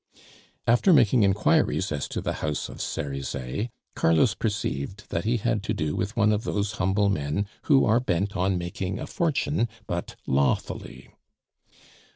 After making inquiries as to the house of Cerizet, Carlos perceived that he had to do with one of those humble men who are bent on making a fortune, but lawfully.